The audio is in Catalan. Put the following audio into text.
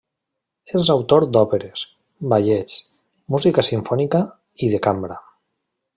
És autor d'òperes, ballets, música simfònica i de cambra.